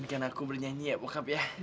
mungkin kan aku bernyanyi ya bokap ya